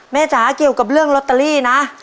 จ๋าเกี่ยวกับเรื่องลอตเตอรี่นะ